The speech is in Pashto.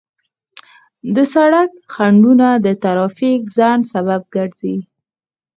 د سړک خنډونه د ترافیک د ځنډ سبب ګرځي.